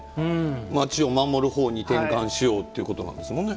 町を守るほうに転換しようということなんですもんね。